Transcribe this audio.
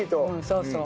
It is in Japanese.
そうそう。